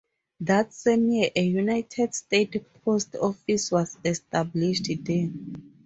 That same year, a United States Post Office was established there.